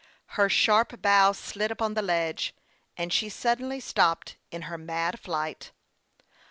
Her sharp bow slid up on the ledge, and she suddenly stopped in her mad flight.